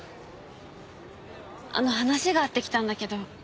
あの話があって来たんだけど。